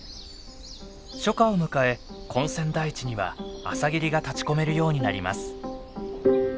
初夏を迎え根釧台地には朝霧が立ちこめるようになります。